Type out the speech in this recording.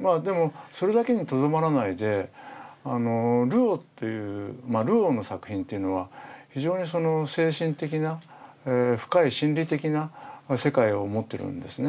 まあでもそれだけにとどまらないでルオーっていうまあルオーの作品というのは非常にその精神的な深い心理的な世界を持ってるんですね。